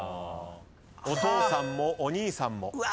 お父さんもお兄さんも。